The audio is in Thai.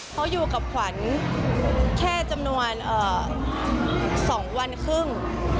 เขาอยู่กับขวัญแค่จำนวน๒วันครึ่ง